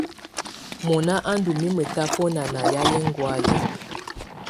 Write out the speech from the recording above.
Mɔnà á ndù mimǝ́ tabɔna nà yayɛ̀́á ɛngɔ̀áyɛ̀.